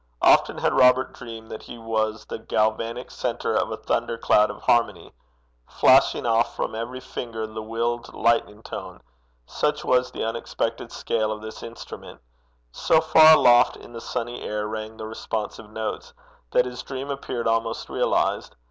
Often had Robert dreamed that he was the galvanic centre of a thunder cloud of harmony, flashing off from every finger the willed lightning tone: such was the unexpected scale of this instrument so far aloft in the sunny air rang the responsive notes, that his dream appeared almost realized.